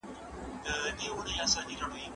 د پلار شفقت د ګلانو د شبنم په څېر نرم او تازه وي.